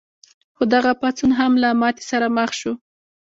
خو دغه پاڅون هم له ماتې سره مخ شو.